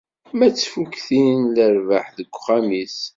Ma ttfuktin lerbaḥ deg uxxam-is.